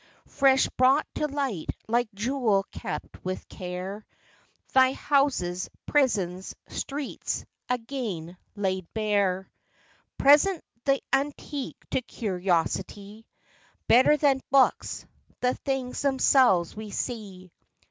Fresh brought to light, like jewel kept with care, Thy houses, prisons, streets, again laid bare, ITALY. 51 Present th* antique to curiosity Better than books: the things themselves we see.